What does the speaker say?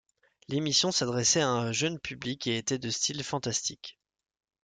L'émission s'adressait à un jeune public et était de style fantastique.